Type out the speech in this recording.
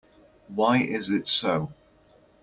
Why is it so?